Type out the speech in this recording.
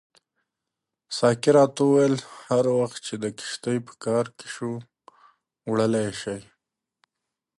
ساقي راته وویل هر وخت چې دې کښتۍ په کار شوه وړلای یې شې.